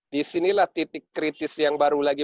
disinilah titik kritis yang baru lagi